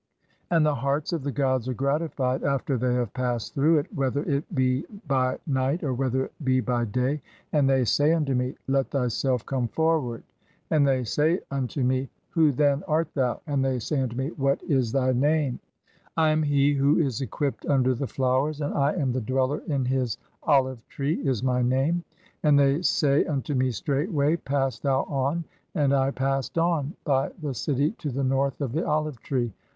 And the hearts "of the gods are gratified (?) after they have passed through it, "whether it be by night, or whether it be by day, and they say "unto me, (21) 'Let thyself come forward'. And they say unto "me, 'Who, then, art thou?' And they say unto me, 'What is thy "name?' 'I am he who is equipped under the flowers [and I am] "the dweller in his olive tree,' (22) is my name. And they say "unto me straightway, 'Pass thou on' ; and I passed on by the "city to the north of the olive tree.